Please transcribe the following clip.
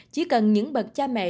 chỉ cần những bậc cha mẹ